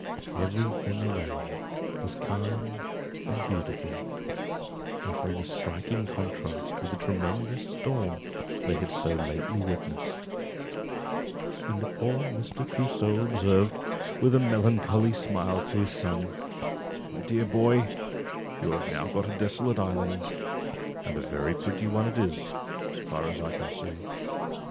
Every thing around was calm and beautiful, offering a striking contrast with the tremendous storm they had so lately witnessed; and poor Mr. Crusoe observed, with a melancholy smile, to his son—"My dear boy, you have now got a desolate island, and a very pretty one it is, so far as I can see."